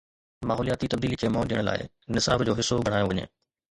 ماحولياتي تبديلي کي منهن ڏيڻ لاءِ نصاب جو حصو بڻايو وڃي.